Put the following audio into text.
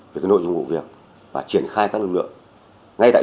về nội dung vụ việc và triển khai của công an huyện bát xát